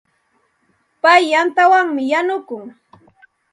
Pay yantawanmi yanukun.